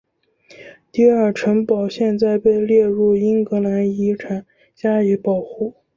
迪尔城堡现在被列入英格兰遗产加以保护。